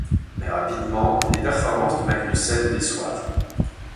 Mais rapidement, les performances de Magnussen déçoivent.